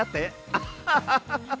アッハハハハ！